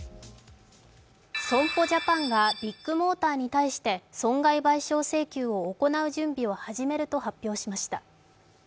損保ジャパンがビッグモーターに対して損害賠償請求を行う準備を行うと発表しました。